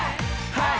はい！